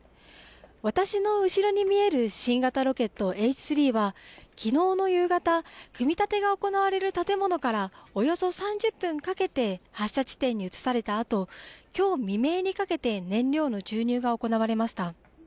私の後ろに見える新型ロケット、Ｈ３は、きのうの夕方、組み立てが行われる建物からおよそ３０分かけて発射地点に移されたあと、きょう未明にかけて燃料の注入が行われました。